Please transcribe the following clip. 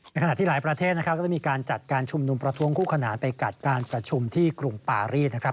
ขณะที่หลายประเทศนะครับก็ได้มีการจัดการชุมนุมประท้วงคู่ขนานไปกัดการประชุมที่กรุงปารีสนะครับ